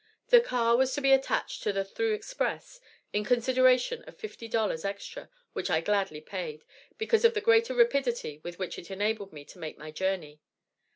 The car was to be attached to the through express, in consideration of fifty dollars extra, which I gladly paid, because of the greater rapidity with which it enabled me to make my journey.